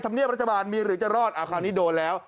เบียบรัฐบาลมีหรือจะรอดคราวนี้โดนแล้ว